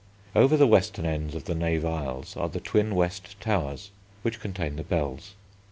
Over the western ends of the Nave aisles are the twin west towers, which contain the bells.